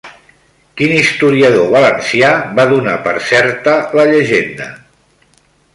Quin historiador valencià va donar per certa la llegenda?